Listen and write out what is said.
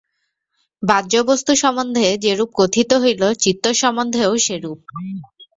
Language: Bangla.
বাহ্যবস্তু সম্বন্ধে যেরূপ কথিত হইল, চিত্ত সম্বন্ধেও সেইরূপ।